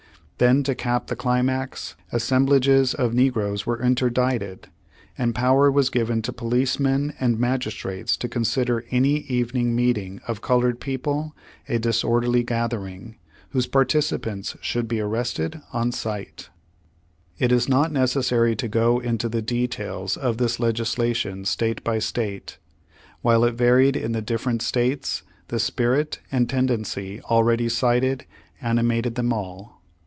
Then to cap the climax, assemblages of negroes were interdicted, and power was given to police Pape One Hundred seventy tbree Page One Hundred seventy four men and magistrates to consider any evening meeting of colored people a disorderly gathering, whose participants could be arrested on sight. It is not necessary to go into the details of this legis lation state by state. While it varied in the dif ferent states, the spirit and tendency already cited, animated them all.